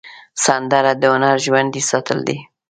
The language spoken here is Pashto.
سندره د هنر ژوندي ساتل دي